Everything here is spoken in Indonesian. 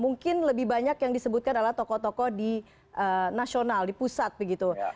mungkin lebih banyak yang disebutkan adalah tokoh tokoh di nasional di pusat begitu